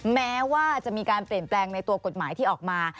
แม้ว่าจะมีการเปลี่ยนแปลงในตัวกฎหมายที่ออกมา